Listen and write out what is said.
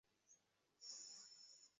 এটা ভালহোল নয়?